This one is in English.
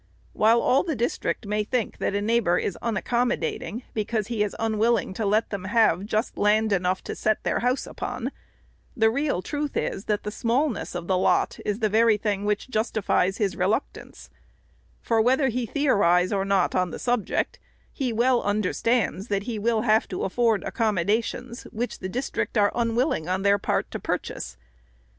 While all the district may think that a neigh bor is unaccommodating, because he is unwilling to let them have just land enough to set their house upon, the real truth is, that the smallness of the lot is the very thing which justifies his reluctance ; for whether he theorize or not on the subject, he well understands that he will have to afford accommodations, which the district are unwill ing on their part to purchase.